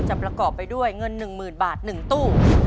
ประกอบไปด้วยเงิน๑๐๐๐บาท๑ตู้